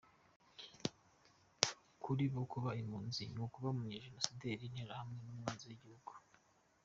Kuri bo kuba impunzi ni ukuba umujenosideri, interahamwe n’umwanzi w’igihugu.